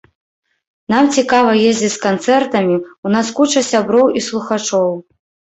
Нам цікава ездзіць з канцэртамі, у нас куча сяброў і слухачоў.